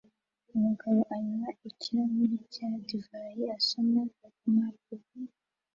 Umugabo anywa ikirahure cya divayi asoma impapuro